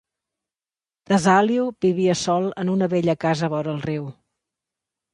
Tesalio vivia sol en una vella casa vora el riu.